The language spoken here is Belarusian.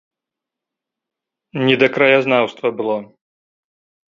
Не да краязнаўства было!